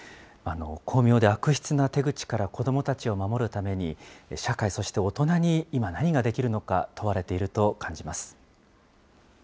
巧妙で悪質な手口から子どもたちを守るために、社会、そして大人に今何ができるのか、問われていると感じます。